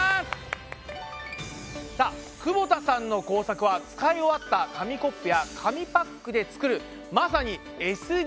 さあ久保田さんの工作は使い終わった紙コップや紙パックで作るまさにＳＤＧｓ！